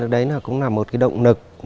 đấy cũng là một động lực